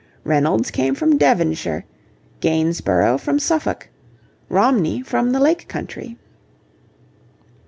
Reynolds came from Devonshire, Gainsborough from Suffolk, Romney from the Lake country.